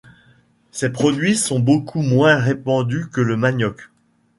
Ces produits sont beaucoup moins répandus que le manioc.